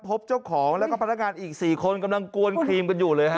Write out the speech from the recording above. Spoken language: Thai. พบเจ้าของแล้วก็พนักงานอีก๔คนกำลังกวนครีมกันอยู่เลยฮะ